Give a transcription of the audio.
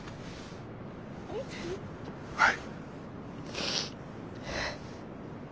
はい。